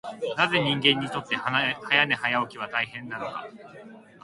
なぜ人間にとって早寝早起きは大事なのか。